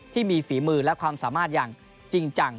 ฝีมือและความสามารถอย่างจริงจัง